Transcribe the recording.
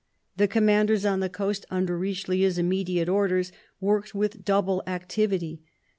The commanders on the coast, under Richelieu's immediate orders, worked with double activity.